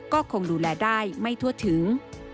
ก็คงดูแลได้ไม่ทั่วถึง